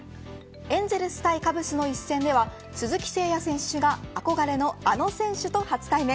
エンゼルス対カブスの一戦では鈴木誠也選手が憧れのあの選手と初対面。